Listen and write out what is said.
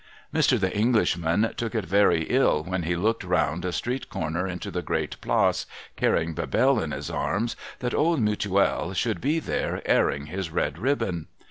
Mr. The Englishman took it very ill when he looked round a street corner into the Great Place, carrying Bebelle in his arms, that old Mutuel should be there airing his red ribbon.